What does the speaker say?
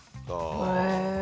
へえ！